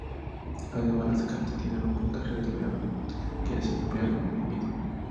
Además, las cartas tienen un puntaje determinado, que es empleado en el envido.